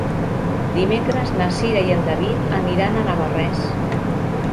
Dimecres na Cira i en David aniran a Navarrés.